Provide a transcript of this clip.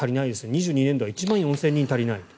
２２年度は１万４０００人足りない。